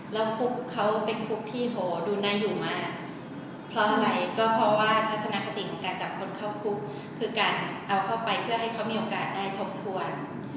แล้วเขาเป็นคุกที่โหดูนายอยู่มาเพราะอะไรก็เพราะว่าทัศนคติของการจับคนเข้าคุกคือการเอาเข้าไปเพื่อให้เขามีโอกาสได้ทบทวน